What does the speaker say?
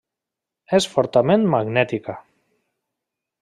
És fortament magnètica.